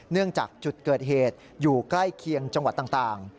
จากจุดเกิดเหตุอยู่ใกล้เคียงจังหวัดต่าง